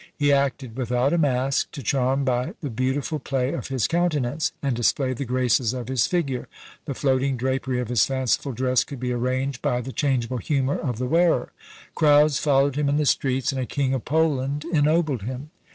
He acted without a mask, to charm by the beautiful play of his countenance, and display the graces of his figure; the floating drapery of his fanciful dress could be arranged by the changeable humour of the wearer. Crowds followed him in the streets, and a King of Poland ennobled him.